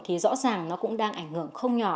thì rõ ràng nó cũng đang ảnh hưởng không nhỏ